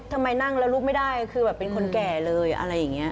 ทำไมนั่งแล้วลุกไม่ได้คือแบบเป็นคนแก่เลยอะไรอย่างนี้